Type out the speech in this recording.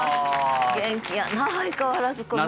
元気やな相変わらずこの暑い。